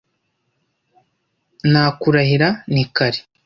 Nakurahira ni kare